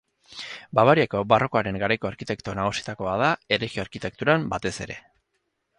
Bavariako barrokoaren garaiko arkitekto nagusietako bat da, erlijio-arkitekturan, batez ere.